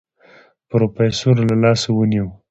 پروفيسر له لاسه ونيو.